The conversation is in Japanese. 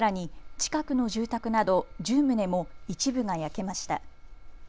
近くの住宅など１０棟も一部が焼けました。